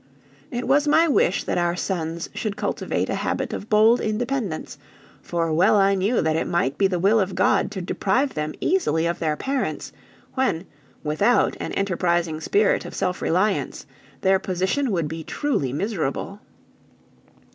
It was my wish that our sons should cultivate a habit of bold independence, for well I knew that it might be the will of God to deprive them easily of their parents; when, without an enterprising spirit of self reliance, their position would be truly miserable.